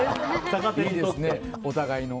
いいですね、お互いの。